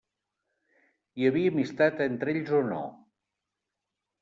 Hi havia amistat entre ells o no?